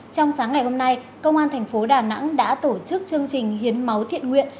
trong sáng ngày hôm nay công an tp đà nẵng đã tổ chức chương trình hiến máu thiện nguyện